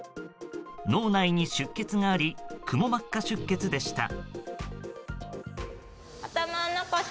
脳内に出血がありくも膜下出血でした。